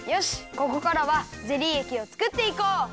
ここからはゼリーえきをつくっていこう。